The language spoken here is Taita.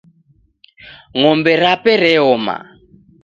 Ng'ombe rape reoma.